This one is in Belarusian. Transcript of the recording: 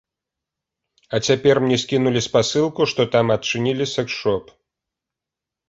А цяпер мне скінулі спасылку, што там адчынілі сэкс-шоп.